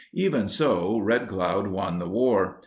Even so, Red Cloud won the war.